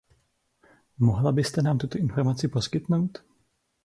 Mohla byste nám tuto informaci poskytnout?